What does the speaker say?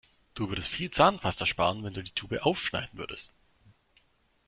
Du würdest viel Zahnpasta sparen, wenn du die Tube aufschneiden würdest.